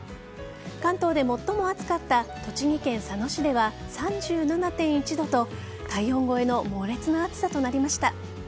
関東で最も暑かった栃木県佐野市では３７．１度と体温超えの猛烈な暑さとなりました。